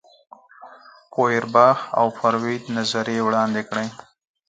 فوئرباخ او فروید نظریې وړاندې کړې.